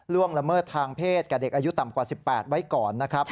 ละเมิดทางเพศแก่เด็กอายุต่ำกว่า๑๘ไว้ก่อนนะครับ